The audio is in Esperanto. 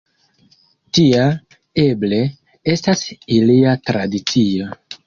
Tia, eble, estas ilia tradicio.